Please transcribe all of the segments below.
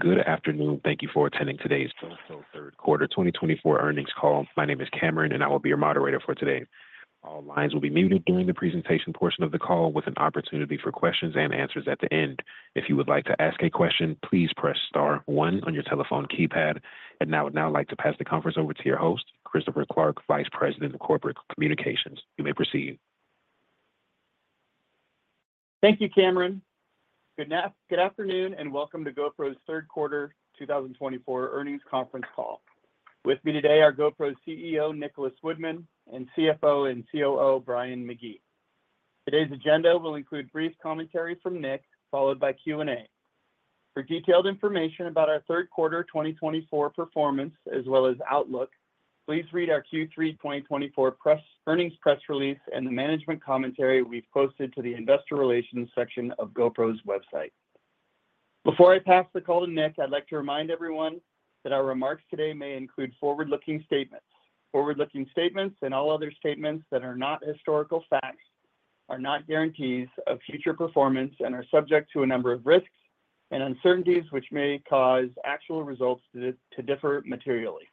Good afternoon. Thank you for attending today's GoPro Third Quarter 2024 earnings call. My name is Cameron, and I will be your moderator for today. All lines will be muted during the presentation portion of the call, with an opportunity for questions and answers at the end. If you would like to ask a question, please press star one on your telephone keypad. And I would now like to pass the conference over to your host, Christopher Clark, Vice President of Corporate Communications. You may proceed. Thank you, Cameron. Good afternoon and welcome to GoPro's Third Quarter 2024 earnings conference call. With me today are GoPro CEO Nicholas Woodman and CFO and COO Brian McGee. Today's agenda will include brief commentary from Nick, followed by Q&A. For detailed information about our Third Quarter 2024 performance as well as outlook, please read our Q3 2024 earnings press release and the management commentary we've posted to the Investor Relations section of GoPro's website. Before I pass the call to Nick, I'd like to remind everyone that our remarks today may include forward-looking statements. Forward-looking statements and all other statements that are not historical facts are not guarantees of future performance and are subject to a number of risks and uncertainties which may cause actual results to differ materially.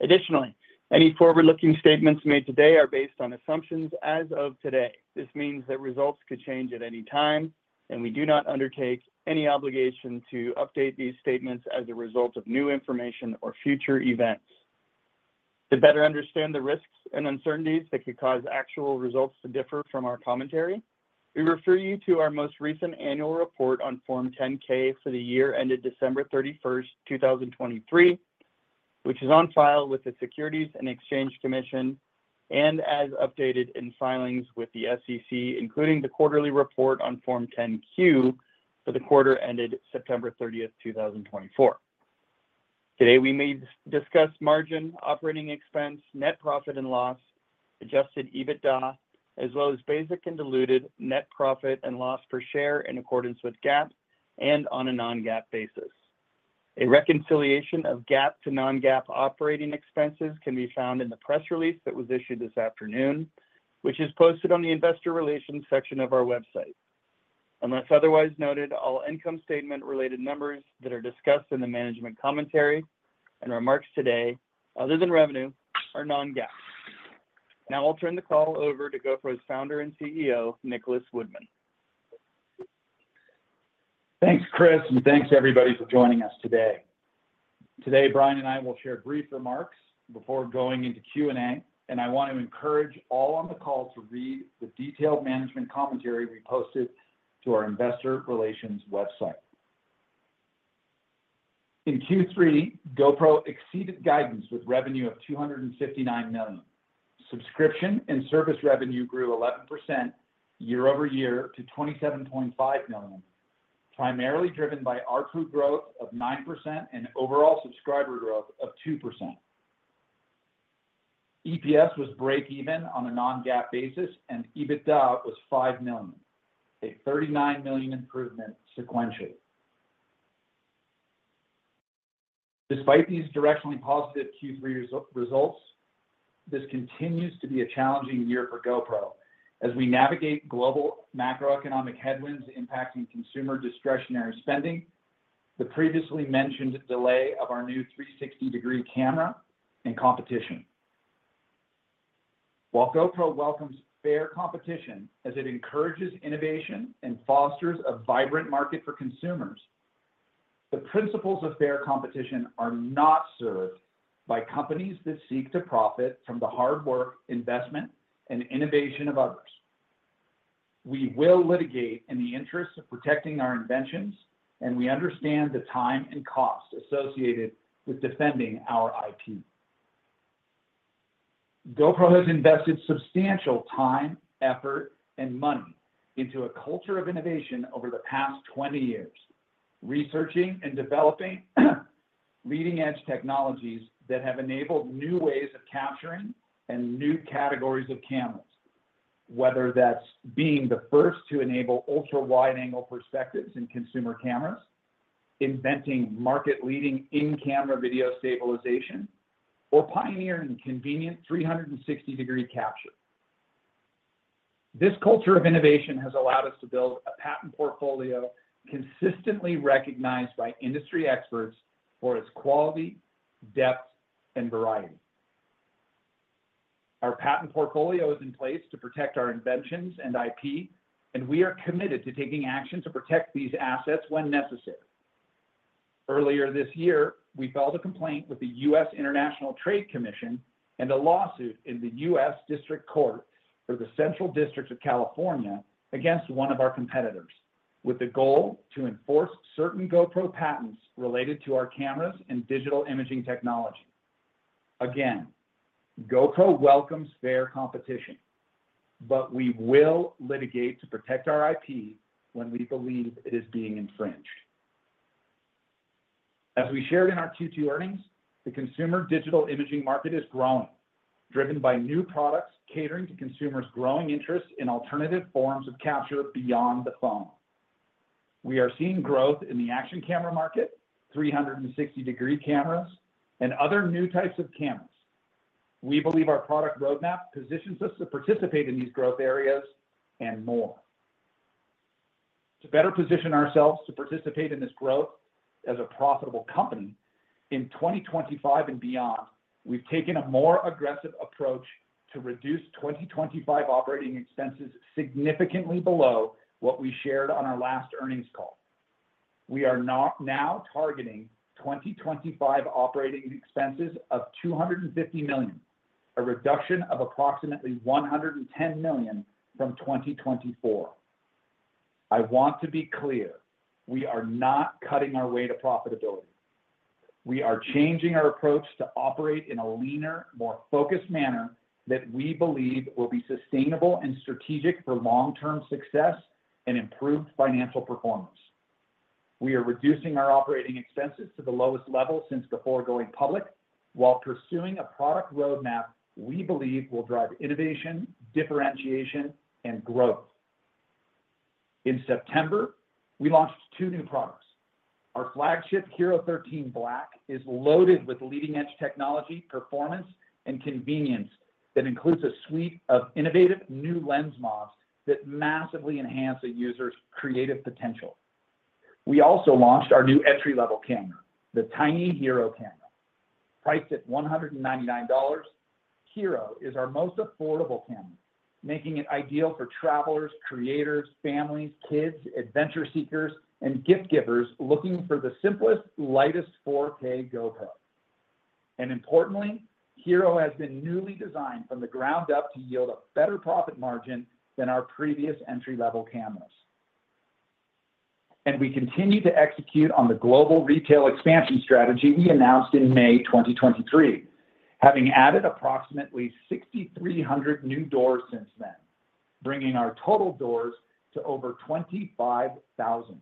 Additionally, any forward-looking statements made today are based on assumptions as of today. This means that results could change at any time, and we do not undertake any obligation to update these statements as a result of new information or future events. To better understand the risks and uncertainties that could cause actual results to differ from our commentary, we refer you to our most recent annual report on Form 10-K for the year ended December 31st, 2023, which is on file with the Securities and Exchange Commission and as updated in filings with the SEC, including the quarterly report on Form 10-Q for the quarter ended September 30th, 2024. Today, we may discuss margin, operating expense, net profit and loss, adjusted EBITDA, as well as basic and diluted net profit and loss per share in accordance with GAAP and on a non-GAAP basis. A reconciliation of GAAP to non-GAAP operating expenses can be found in the press release that was issued this afternoon, which is posted on the Investor Relations section of our website. Unless otherwise noted, all income statement-related numbers that are discussed in the management commentary and remarks today, other than revenue, are non-GAAP. Now I'll turn the call over to GoPro's founder and CEO, Nicholas Woodman. Thanks, Chris, and thanks everybody for joining us today. Today, Brian and I will share brief remarks before going into Q&A, and I want to encourage all on the call to read the detailed management commentary we posted to our Investor Relations website. In Q3, GoPro exceeded guidance with revenue of $259 million. Subscription and service revenue grew 11% year over year to $27.5 million, primarily driven by ARPU growth of 9% and overall subscriber growth of 2%. EPS was break-even on a non-GAAP basis, and EBITDA was $5 million, a $39 million improvement sequentially. Despite these directionally positive Q3 results, this continues to be a challenging year for GoPro as we navigate global macroeconomic headwinds impacting consumer discretionary spending, the previously mentioned delay of our new 360-degree camera, and competition. While GoPro welcomes fair competition as it encourages innovation and fosters a vibrant market for consumers, the principles of fair competition are not served by companies that seek to profit from the hard work, investment, and innovation of others. We will litigate in the interest of protecting our inventions, and we understand the time and cost associated with defending our IP. GoPro has invested substantial time, effort, and money into a culture of innovation over the past 20 years, researching and developing leading-edge technologies that have enabled new ways of capturing and new categories of cameras, whether that's being the first to enable ultra-wide-angle perspectives in consumer cameras, inventing market-leading in-camera video stabilization, or pioneering convenient 360-degree capture. This culture of innovation has allowed us to build a patent portfolio consistently recognized by industry experts for its quality, depth, and variety. Our patent portfolio is in place to protect our inventions and IP, and we are committed to taking action to protect these assets when necessary. Earlier this year, we filed a complaint with the U.S. International Trade Commission and a lawsuit in the U.S. District Court for the Central District of California against one of our competitors, with the goal to enforce certain GoPro patents related to our cameras and digital imaging technology. Again, GoPro welcomes fair competition, but we will litigate to protect our IP when we believe it is being infringed. As we shared in our Q2 earnings, the consumer digital imaging market is growing, driven by new products catering to consumers' growing interest in alternative forms of capture beyond the phone. We are seeing growth in the action camera market, 360-degree cameras, and other new types of cameras. We believe our product roadmap positions us to participate in these growth areas and more. To better position ourselves to participate in this growth as a profitable company in 2025 and beyond, we've taken a more aggressive approach to reduce 2025 operating expenses significantly below what we shared on our last earnings call. We are now targeting 2025 operating expenses of $250 million, a reduction of approximately $110 million from 2024. I want to be clear: we are not cutting our way to profitability. We are changing our approach to operate in a leaner, more focused manner that we believe will be sustainable and strategic for long-term success and improved financial performance. We are reducing our operating expenses to the lowest level since before going public, while pursuing a product roadmap we believe will drive innovation, differentiation, and growth. In September, we launched two new products. Our flagship HERO13 Black is loaded with leading-edge technology, performance, and convenience that includes a suite of innovative new Lens Mods that massively enhance a user's creative potential. We also launched our new entry-level camera, the tiny HERO camera. Priced at $199, HERO is our most affordable camera, making it ideal for travelers, creators, families, kids, adventure seekers, and gift givers looking for the simplest, lightest 4K GoPro, and importantly, HERO has been newly designed from the ground up to yield a better profit margin than our previous entry-level cameras, and we continue to execute on the global retail expansion strategy we announced in May 2023, having added approximately 6,300 new doors since then, bringing our total doors to over 25,000.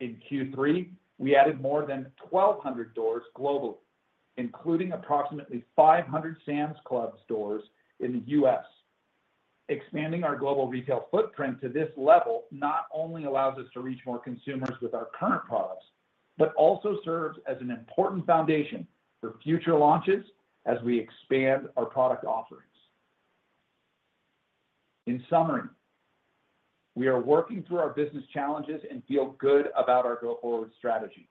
In Q3, we added more than 1,200 doors globally, including approximately 500 Sam's Club doors in the U.S. Expanding our global retail footprint to this level not only allows us to reach more consumers with our current products, but also serves as an important foundation for future launches as we expand our product offerings. In summary, we are working through our business challenges and feel good about our GoPro strategy.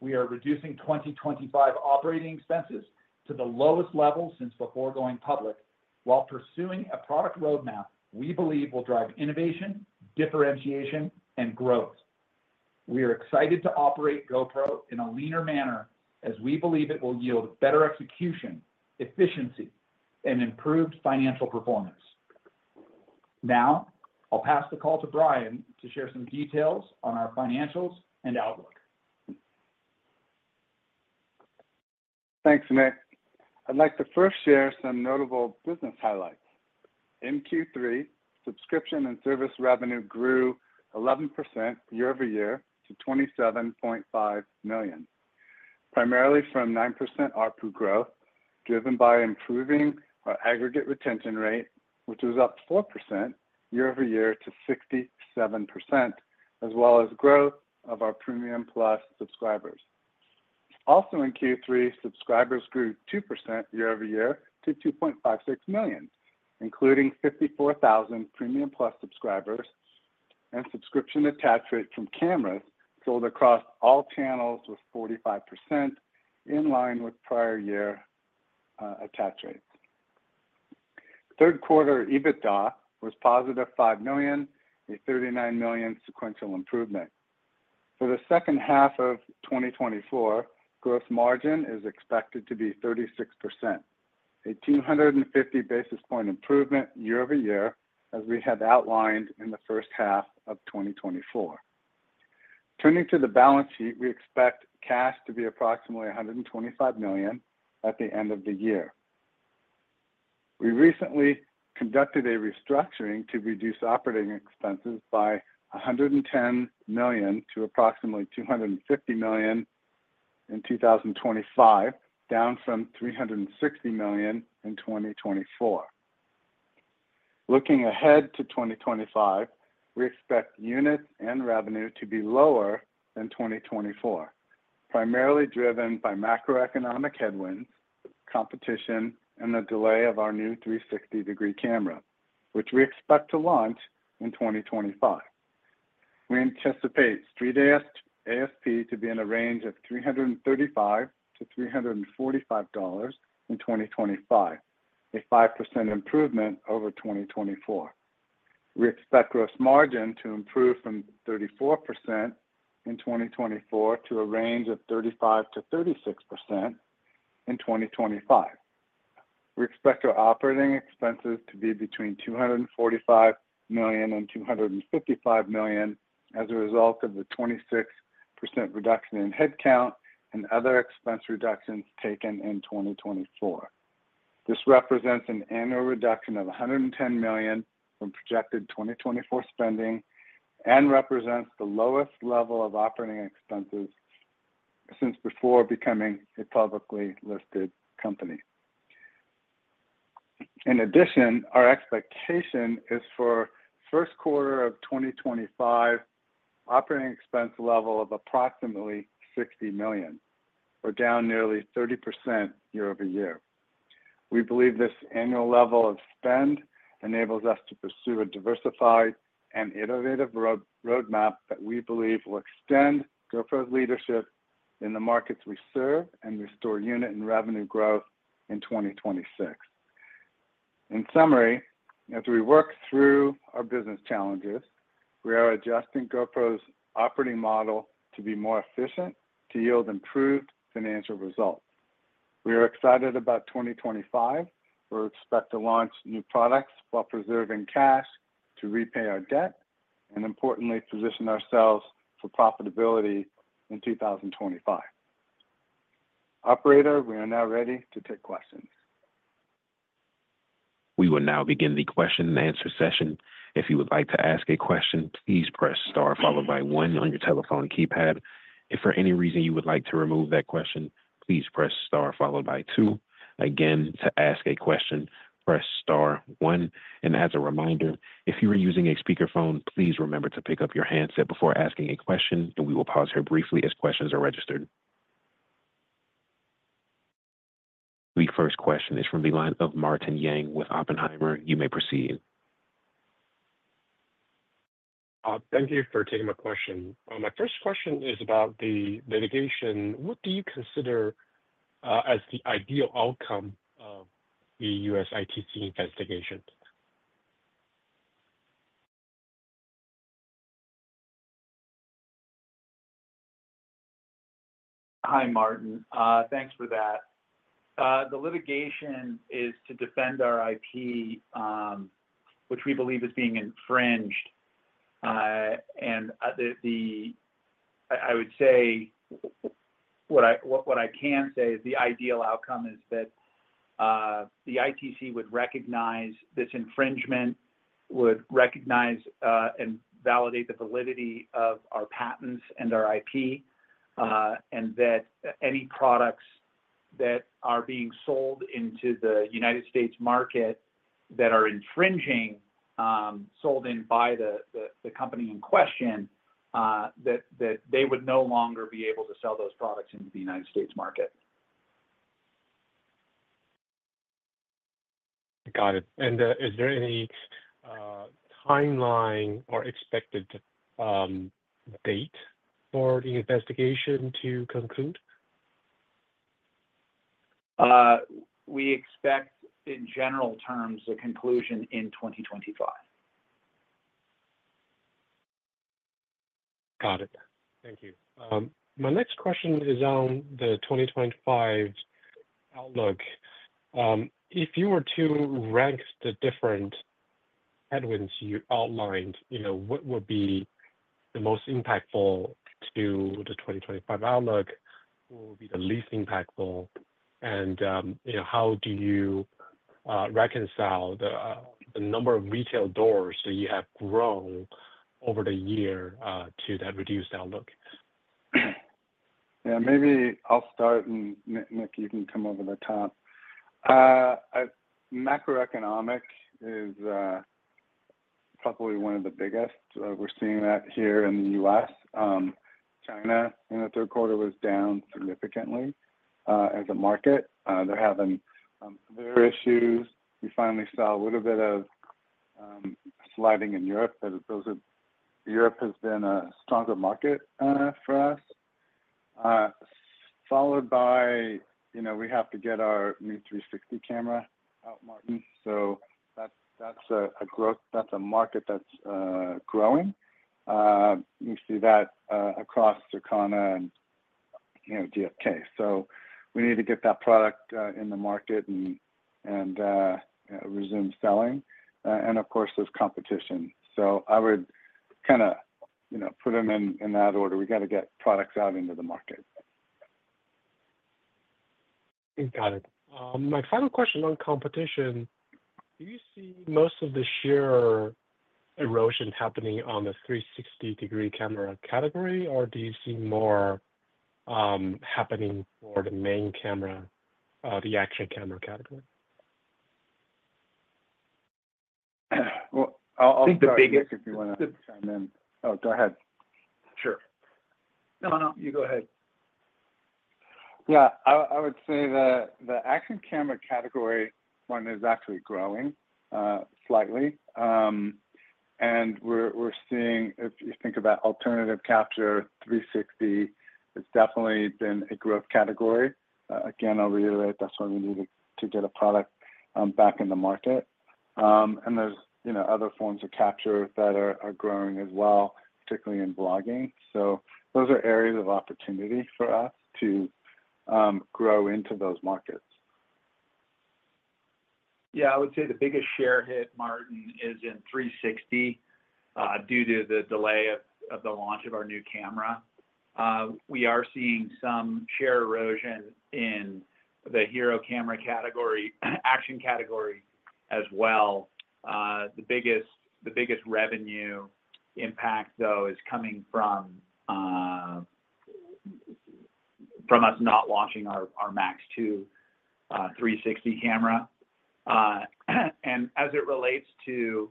We are reducing 2025 operating expenses to the lowest level since before going public, while pursuing a product roadmap we believe will drive innovation, differentiation, and growth. We are excited to operate GoPro in a leaner manner as we believe it will yield better execution, efficiency, and improved financial performance. Now I'll pass the call to Brian to share some details on our financials and outlook. Thanks, Nick. I'd like to first share some notable business highlights. In Q3, subscription and service revenue grew 11% year over year to $27.5 million, primarily from 9% ARPU growth driven by improving our aggregate retention rate, which was up 4% year over year to 67%, as well as growth of our Premium Plus subscribers. Also, in Q3, subscribers grew 2% year over year to 2.56 million, including 54,000 Premium Plus subscribers, and subscription attach rate from cameras sold across all channels was 45%, in line with prior year attach rates. Third quarter EBITDA was positive $5 million, a $39 million sequential improvement. For the second half of 2024, gross margin is expected to be 36%, a 250 basis point improvement year over year, as we had outlined in the first half of 2024. Turning to the balance sheet, we expect cash to be approximately $125 million at the end of the year. We recently conducted a restructuring to reduce operating expenses by $110 million to approximately $250 million in 2025, down from $360 million in 2024. Looking ahead to 2025, we expect units and revenue to be lower than 2024, primarily driven by macroeconomic headwinds, competition, and the delay of our new 360-degree camera, which we expect to launch in 2025. We anticipate Street ASP to be in a range of $335-$345 in 2025, a 5% improvement over 2024. We expect gross margin to improve from 34% in 2024 to a range of 35%-36% in 2025. We expect our operating expenses to be between $245 million and $255 million as a result of the 26% reduction in headcount and other expense reductions taken in 2024. This represents an annual reduction of $110 million from projected 2024 spending and represents the lowest level of operating expenses since before becoming a publicly listed company. In addition, our expectation is for the Q1 of 2025 operating expense level of approximately $60 million, or down nearly 30% year over year. We believe this annual level of spend enables us to pursue a diversified and innovative roadmap that we believe will extend GoPro's leadership in the markets we serve and restore unit and revenue growth in 2026. In summary, as we work through our business challenges, we are adjusting GoPro's operating model to be more efficient to yield improved financial results. We are excited about 2025. We expect to launch new products while preserving cash to repay our debt and, importantly, position ourselves for profitability in 2025. Operator, we are now ready to take questions. We will now begin the question-and-answer session. If you would like to ask a question, please press star followed by one on your telephone keypad. If for any reason you would like to remove that question, please press star followed by two. Again, to ask a question, press star one. And as a reminder, if you are using a speakerphone, please remember to pick up your handset before asking a question, and we will pause here briefly as questions are registered. The first question is from the line of Martin Yang with Oppenheimer. You may proceed. Thank you for taking my question. My first question is about the litigation. What do you consider as the ideal outcome of the U.S. ITC investigation? Hi, Martin. Thanks for that. The litigation is to defend our IP, which we believe is being infringed, and I would say what I can say is the ideal outcome is that the ITC would recognize this infringement, would recognize and validate the validity of our patents and our IP, and that any products that are being sold into the United States market that are infringing, sold in by the company in question, that they would no longer be able to sell those products into the United States market. Got it. And is there any timeline or expected date for the investigation to conclude? We expect, in general terms, a conclusion in 2025. Got it. Thank you. My next question is on the 2025 outlook. If you were to rank the different headwinds you outlined, what would be the most impactful to the 2025 outlook? What would be the least impactful? And how do you reconcile the number of retail doors that you have grown over the year to that reduced outlook? Yeah, maybe I'll start, and Nick, you can come over the top. Macroeconomic is probably one of the biggest. We're seeing that here in the U.S., China, in the Q3, was down significantly as a market. They're having their issues. We finally saw a little bit of sliding in Europe, but Europe has been a stronger market for us. Followed by, we have to get our new 360 camera out, Martin. So that's a market that's growing. We see that across Circana and GfK. So we need to get that product in the market and resume selling. And of course, there's competition. So I would kind of put them in that order. We got to get products out into the market. Got it. My final question on competition: do you see most of the share erosion happening on the 360-degree camera category, or do you see more happening for the main camera, the action camera category? Well, I'll take the biggest if you want to chime in. Oh, go ahead. Sure. No, no, you go ahead. Yeah, I would say the action camera category one is actually growing slightly. And we're seeing, if you think about alternative capture, 360, it's definitely been a growth category. Again, I'll reiterate, that's why we need to get a product back in the market. And there's other forms of capture that are growing as well, particularly in vlogging. So those are areas of opportunity for us to grow into those markets. Yeah, I would say the biggest share hit, Martin, is in 360 due to the delay of the launch of our new camera. We are seeing some share erosion in the HERO camera category, action category as well. The biggest revenue impact, though, is coming from us not launching our MAX 2 360 camera. And as it relates to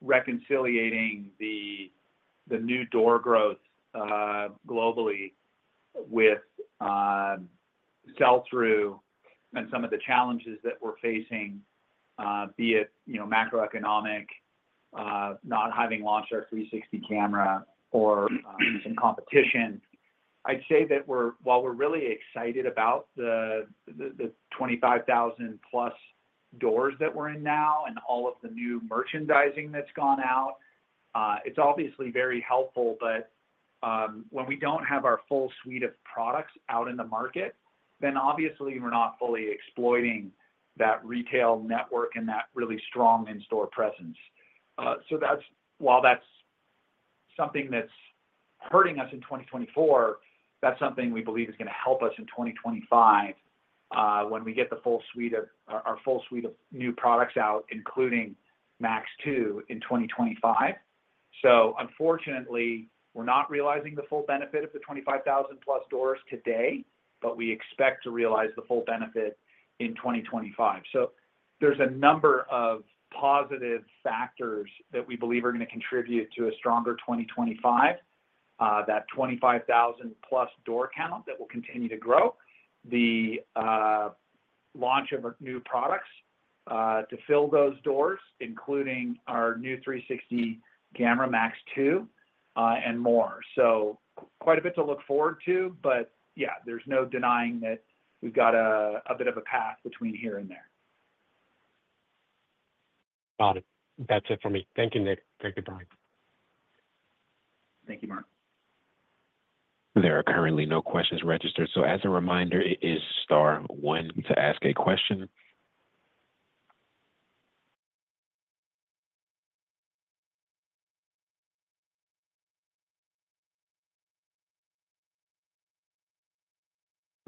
reconciling the new door growth globally with sell-through and some of the challenges that we're facing, be it macroeconomic, not having launched our 360 camera, or some competition, I'd say that while we're really excited about the 25,000-plus doors that we're in now and all of the new merchandising that's gone out, it's obviously very helpful. But when we don't have our full suite of products out in the market, then obviously we're not fully exploiting that retail network and that really strong in-store presence. So while that's something that's hurting us in 2024, that's something we believe is going to help us in 2025 when we get our full suite of new products out, including MAX 2, in 2025. So unfortunately, we're not realizing the full benefit of the 25,000-plus doors today, but we expect to realize the full benefit in 2025. So there's a number of positive factors that we believe are going to contribute to a stronger 2025, that 25,000-plus door count that will continue to grow, the launch of new products to fill those doors, including our new 360 camera, MAX 2, and more. So quite a bit to look forward to, but yeah, there's no denying that we've got a bit of a path between here and there. Got it. That's it for me. Thank you, Nick. Take good time. Thank you, Martin. There are currently no questions registered. So as a reminder, it is star one to ask a question.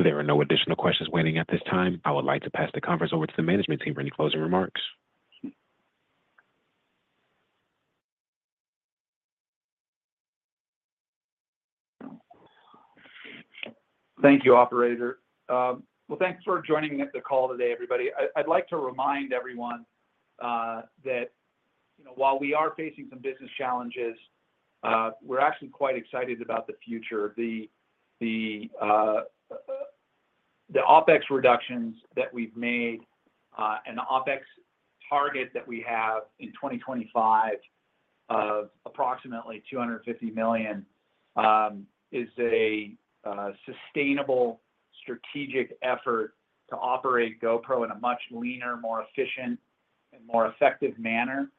There are no additional questions waiting at this time. I would like to pass the conference over to the management team for any closing remarks. Thank you, Operator. Thanks for joining the call today, everybody. I'd like to remind everyone that while we are facing some business challenges, we're actually quite excited about the future. The OpEx reductions that we've made and the OpEx target that we have in 2025 of approximately $250 million is a sustainable strategic effort to operate GoPro in a much leaner, more efficient, and more effective manner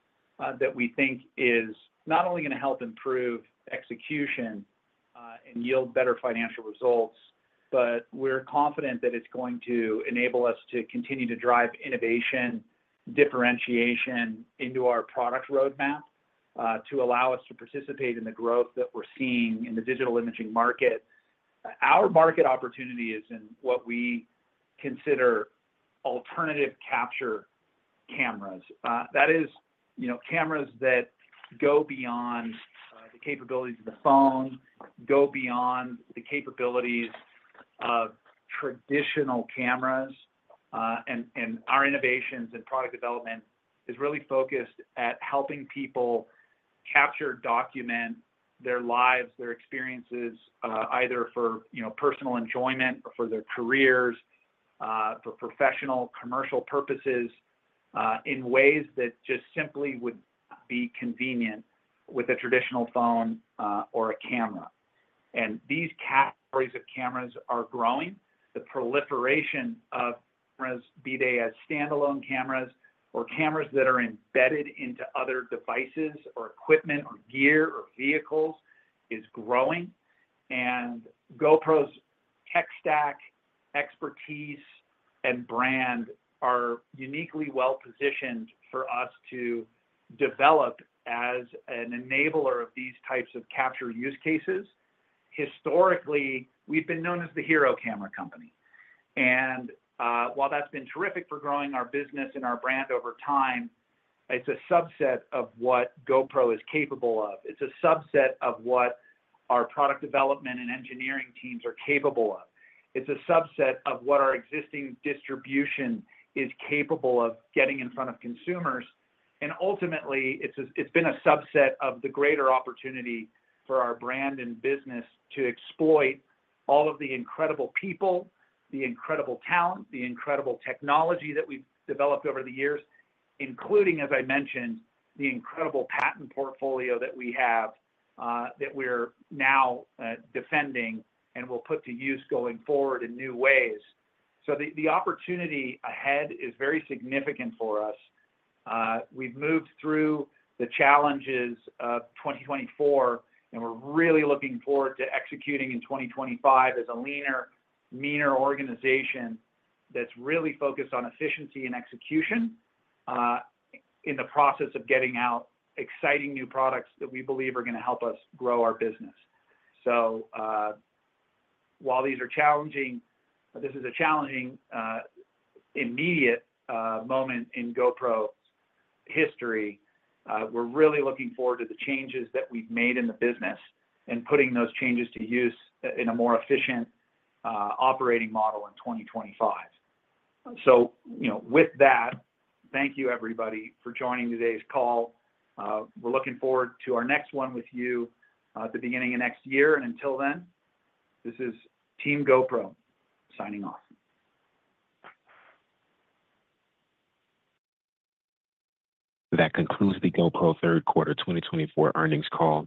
that we think is not only going to help improve execution and yield better financial results, but we're confident that it's going to enable us to continue to drive innovation, differentiation into our product roadmap to allow us to participate in the growth that we're seeing in the digital imaging market. Our market opportunity is in what we consider alternative capture cameras. That is, cameras that go beyond the capabilities of the phone, go beyond the capabilities of traditional cameras. And our innovations and product development is really focused at helping people capture, document their lives, their experiences, either for personal enjoyment or for their careers, for professional, commercial purposes in ways that just simply would be convenient with a traditional phone or a camera. And these categories of cameras are growing. The proliferation of cameras, be they as standalone cameras or cameras that are embedded into other devices or equipment or gear or vehicles, is growing. And GoPro's tech stack, expertise, and brand are uniquely well-positioned for us to develop as an enabler of these types of capture use cases. Historically, we've been known as the hero camera company. And while that's been terrific for growing our business and our brand over time, it's a subset of what GoPro is capable of. It's a subset of what our product development and engineering teams are capable of. It's a subset of what our existing distribution is capable of getting in front of consumers. And ultimately, it's been a subset of the greater opportunity for our brand and business to exploit all of the incredible people, the incredible talent, the incredible technology that we've developed over the years, including, as I mentioned, the incredible patent portfolio that we have that we're now defending and will put to use going forward in new ways. So the opportunity ahead is very significant for us. We've moved through the challenges of 2024, and we're really looking forward to executing in 2025 as a leaner, meaner organization that's really focused on efficiency and execution in the process of getting out exciting new products that we believe are going to help us grow our business. So while these are challenging, this is a challenging immediate moment in GoPro history. We're really looking forward to the changes that we've made in the business and putting those changes to use in a more efficient operating model in 2025. So with that, thank you, everybody, for joining today's call. We're looking forward to our next one with you at the beginning of next year, and until then, this is Team GoPro signing off. That concludes the GoPro Third Quarter 2024 earnings call.